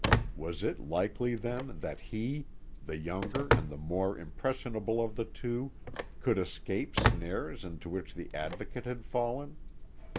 Was it likely then, that he, the younger and the more impressionable of the two, could escape snares into which the Advocate had fallen?